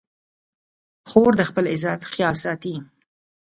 خور د خپل عزت خیال ساتي.